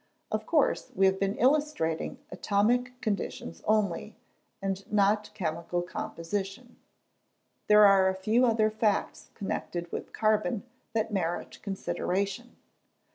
Of course we have been illustrating atomic conditions only, and not chemical composition. There are a few other facts connected with carbon that merit consideration.